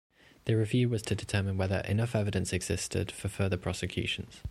The review was to determine whether enough evidence existed for further prosecutions.